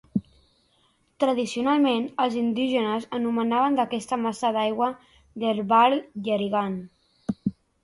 Tradicionalment, els indígenes anomenaven aquesta massa d'aigua "Derbarl Yerrigan".